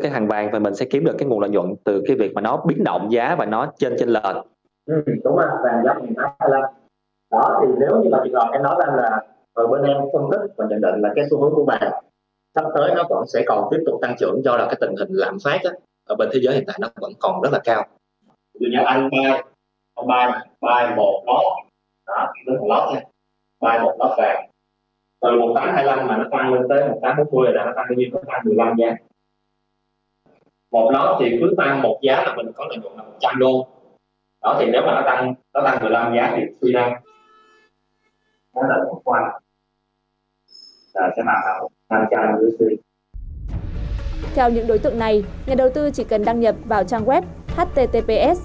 theo những đối tượng này nhà đầu tư chỉ cần đăng nhập vào trang web https